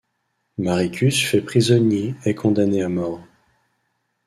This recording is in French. Mariccus fait prisonnier est condamné à mort.